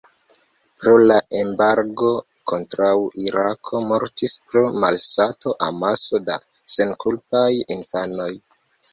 Pro la embargo kontraŭ Irako mortis pro malsato amaso da senkulpaj infanoj.